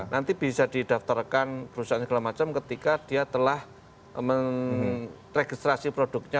nanti bisa didaftarkan perusahaan segala macam ketika dia telah meregistrasi produknya